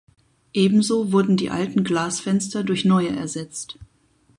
Ebenso wurden die alten Glasfenster durch neue ersetzt.